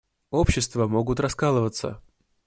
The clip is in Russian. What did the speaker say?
Общества могут раскалываться.